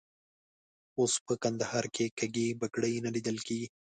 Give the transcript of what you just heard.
اوس په کندهار کې کږې بګړۍ نه لیدل کېږي.